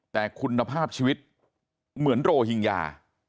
แต่คุณภาพชีวิตเหมือนโรฮิงญา